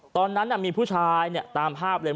ตอนนั้นน่ะมีผู้ชายเนี่ยตามภาพเลย